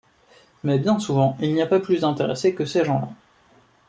Mais bien souvent, il n’y a pas plus intéressé que ces gens-là.